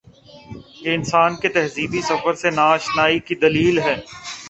یہ انسان کے تہذیبی سفر سے نا آ شنائی کی دلیل ہے۔